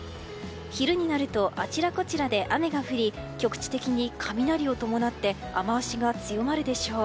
昼になるとあちらこちらで雨が降り局地的に雷を伴って雨脚が強まるでしょう。